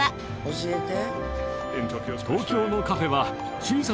教えて。